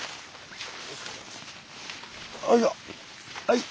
はい。